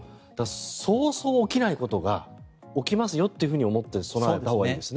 早々起きないことが起きますよと思って備えたほうがいいですね。